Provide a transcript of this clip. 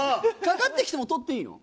かかってきたら取ってもいいの。